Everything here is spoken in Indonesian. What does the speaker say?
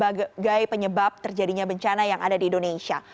sebagai penyebab terjadinya bencana yang ada di indonesia